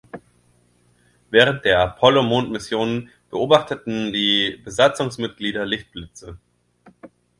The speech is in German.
Während der Apollo-Mondmissionen beobachteten die Besatzungsmitglieder Lichtblitze.